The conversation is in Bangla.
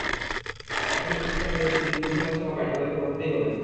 এখনই চিকিৎসা করে যদি দীর্ঘ সময়ে সেবা পাই, তাহলে তো ভাবতেই হবে।